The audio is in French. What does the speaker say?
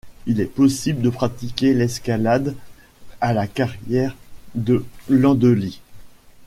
Il est possible de pratiquer l'escalade à la carrière de Landelies.